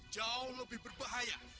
jauh lebih berbahaya